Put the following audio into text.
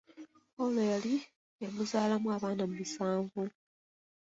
Pawulo yali yamuzaalamu abaana musanvu.